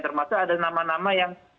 termasuk ada nama nama yang